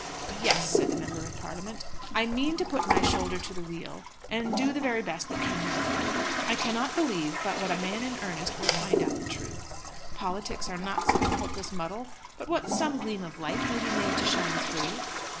"Yes," said the Member of Parliament, "I mean to put my shoulder to the wheel, and do the very best that can be done. I cannot believe but what a man in earnest will find out the truth. Politics are not such a hopeless muddle but what some gleam of light may be made to shine through."